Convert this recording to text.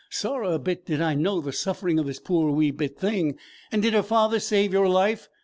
Sorra a bit did I know the suffering of this poor wee bit thing.' 'And did her father save your life?'